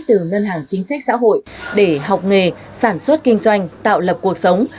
từ ngân hàng chính sách xã hội để học nghề sản xuất kinh doanh tạo lập cuộc sống